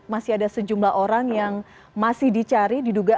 masih ada sejumlah orang yang masih dicari di dunia ini